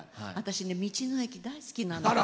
道の駅、大好きなの。